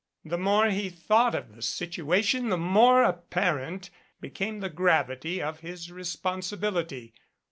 The more he thought of the situation the more apparent became the gravity of his responsibility.